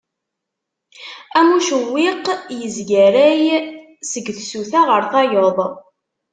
Am ucewwiq yezgaray seg tsuta ɣer tayeḍ.